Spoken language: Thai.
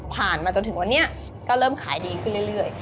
มาจนถึงวันนี้ก็เริ่มขายดีขึ้นเรื่อย